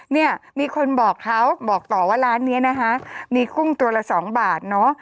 เนี่ยมีคนบอกเขาบอกต่อว่าร้านนี้นะคะมีกุ้งตัวละสองบาทเนอะ